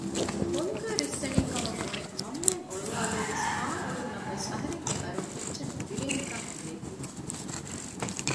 ބޮލުގަ ރިއްސަނީކަމަށް ބުނެ މަންމައަށް އޮޅުވާލީވެސް ކާން އުޅުނު ނަމަވެސް އަހަރެންގެ އަރުން އެއްޗެއް ނުދިރޭނެކަން އެނގޭތީ